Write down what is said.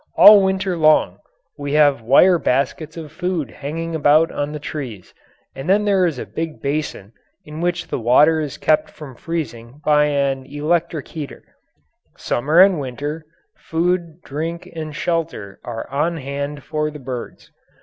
All winter long we have wire baskets of food hanging about on the trees and then there is a big basin in which the water is kept from freezing by an electric heater. Summer and winter, food, drink, and shelter are on hand for the birds.